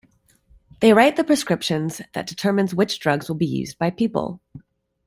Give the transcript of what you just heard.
They write the prescriptions that determine which drugs will be used by people.